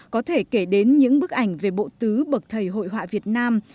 có thể kể đến những bức ảnh về bộ tứ bậc thầy hội họa việt nam